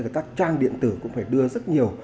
các trang điện tử cũng phải đưa rất nhiều